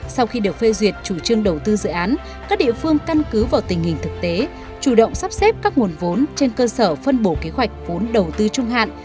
sau khi được phê duyệt chủ trương đầu tư dự án các địa phương căn cứ vào tình hình thực tế chủ động sắp xếp các nguồn vốn trên cơ sở phân bổ kế hoạch vốn đầu tư trung hạn